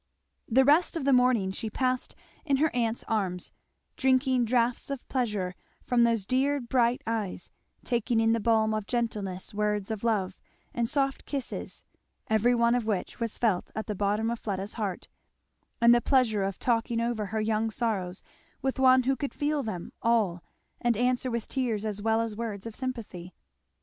The rest of the morning she passed in her aunt's arms; drinking draughts of pleasure from those dear bright eyes; taking in the balm of gentlest words of love, and soft kisses, every one of which was felt at the bottom of Fleda's heart, and the pleasure of talking over her young sorrows with one who could feel them all and answer with tears as well as words of sympathy.